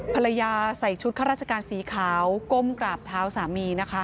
ภรรยาใส่ชุดข้าราชการสีขาวก้มกราบเท้าสามีนะคะ